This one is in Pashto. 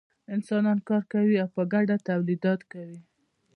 انسانان کار کوي او په ګډه تولیدات کوي.